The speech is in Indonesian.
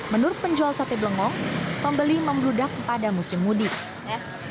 menurut penjual sate blengong pembeli membludak pada musim mudik